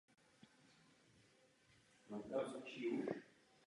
Ve Spojeném království bylo album původně vydané jako jeden disk.